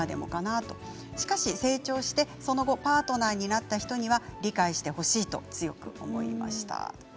しかし成長してパートナーになった人には理解してほしいと強く思いました。